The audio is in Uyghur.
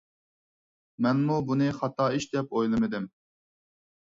مەنمۇ بۇنى خاتا ئىش دەپ ئويلىمىدىم.